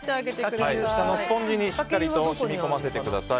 下のスポンジにしっかりと染み込ませてください。